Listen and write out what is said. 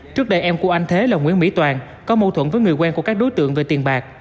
trước đây em của anh thế là nguyễn mỹ toàn có mâu thuẫn với người quen của các đối tượng về tiền bạc